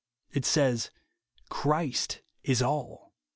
It says, " Christ is all."